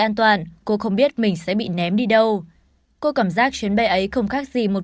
an toàn cô không biết mình sẽ bị ném đi đâu cô cảm giác chuyến bay ấy không khác gì một